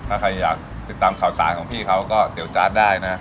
ถ้าใครอยากติดตามข่าวสารของพี่เขาก็เตี๋ยวจาร์ดได้นะ